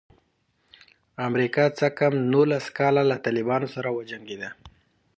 امریکا څه کم نولس کاله له طالبانو سره وجنګېده.